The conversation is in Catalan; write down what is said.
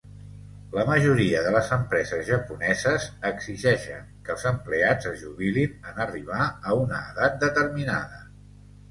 La majoria de les empreses japoneses exigeixen que els empleats es jubilin en arribar a una edat determinada.